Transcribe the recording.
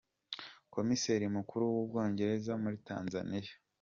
Komiseri mukuru w’u Bwongereza muri Tanzania Ms.